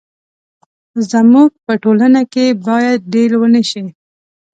زموږ په ټولنه کې باید ډيل ونه شي.